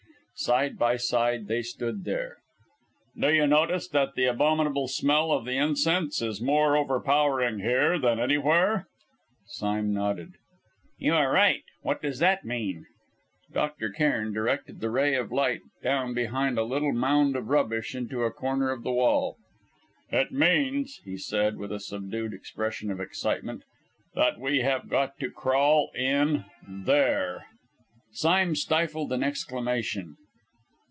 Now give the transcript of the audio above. Side by side they stood there. "Do you notice that the abominable smell of the incense is more overpowering here than anywhere?" Sime nodded. "You are right. What does that mean?" Dr. Cairn directed the ray of light down behind a little mound of rubbish into a corner of the wall. "It means," he said, with a subdued expression of excitement, "that we have got to crawl in there!" Sime stifled an exclamation.